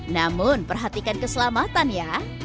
namun perhatikan keselamatan ya